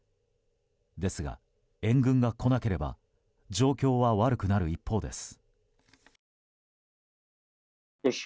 ですが、援軍が来なければ状況は悪くなる一方です。